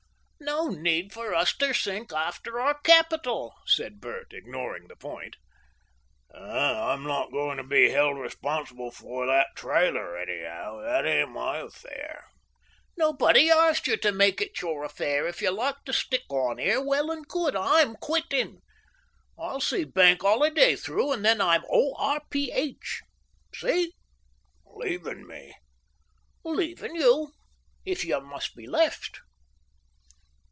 "No need for us to sink after our capital," said Bert, ignoring the point. "I'm not going to be held responsible for that trailer, anyhow. That ain't my affair." "Nobody arst you to make it your affair. If you like to stick on here, well and good. I'm quitting. I'll see Bank Holiday through, and then I'm O R P H. See?" "Leavin' me?" "Leavin' you. If you must be left."